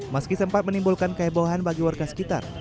meski sempat menimbulkan kehebohan bagi warga sekitar